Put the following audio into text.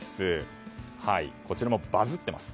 こちらもバズってます。